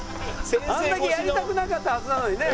あんだけやりたくなかったはずなのにね。